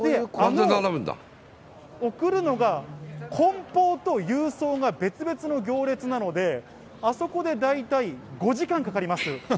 あの送るのが、こん包と郵送が別々の行列なので、あそこで大体５時間かかります。